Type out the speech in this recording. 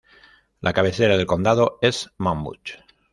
La cabecera del condado es Monmouth.